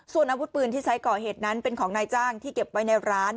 ส่วนอาวุธปืนที่ใช้ก่อเหตุนั้นเป็นของนายจ้างที่เก็บไว้ในร้าน